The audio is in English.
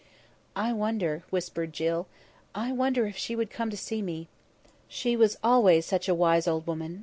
"I wonder," whispered Jill, "I wonder if she would come to see me. She was always such a wise old woman.